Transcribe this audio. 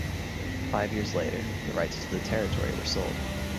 Five years later, the rights to the territory were sold.